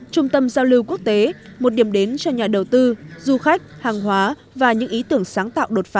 trung tâm giao lưu quốc tế một điểm đến cho nhà đầu tư du khách hàng hóa và những ý tưởng sáng tạo đột phá